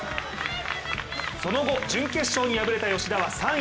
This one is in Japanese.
その後、準決勝に敗れた吉田は３位。